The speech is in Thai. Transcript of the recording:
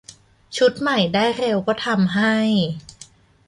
ชุดใหม่ได้เร็วก็ทำให้